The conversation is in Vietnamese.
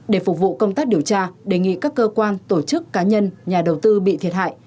để phục vụ công tác điều tra đề nghị các cơ quan tổ chức cá nhân nhà đầu tư bị thiệt hại